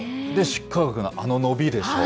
出荷額のあの伸びでしょ。